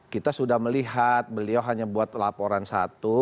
kita sudah melihat beliau hanya buat laporan satu